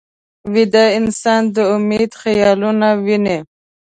ویده انسان د امید خیالونه ویني